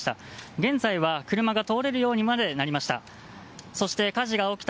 現在は車が通れるようにまでなりました。